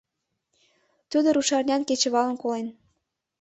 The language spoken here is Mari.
Тудо рушарнян кечывалым колен.